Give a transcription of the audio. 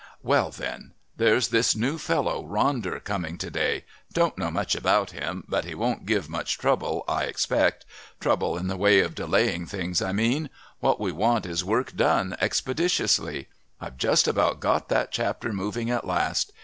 "Well, then.... There's this new fellow Ronder coming to day. Don't know much about him, but he won't give much trouble, I expect trouble in the way of delaying things, I mean. What we want is work done expeditiously. I've just about got that Chapter moving at last.